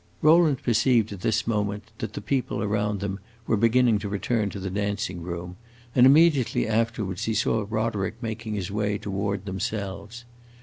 Rowland perceived at this moment that the people about them were beginning to return to the dancing room, and immediately afterwards he saw Roderick making his way toward themselves.